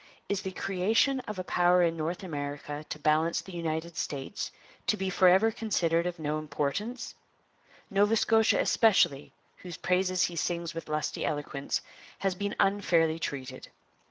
Is the creation of a power in North America to balance the United States to be forever considered of no importance? Nova Scotia especially, whose praises he sings with lusty eloquence, has been unfairly treated.